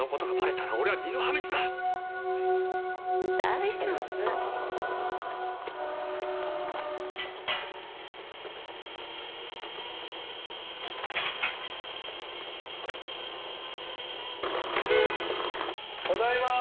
ただいまー！